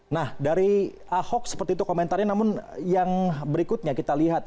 nah dari ahok seperti itu komentarnya namun yang berikutnya kita lihat